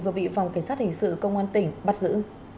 vừa bị phòng cảnh sát hình sự công an tỉnh bắt giữ